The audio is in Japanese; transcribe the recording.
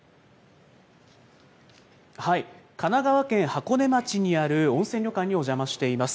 神奈川県箱根町にある温泉旅館にお邪魔しています。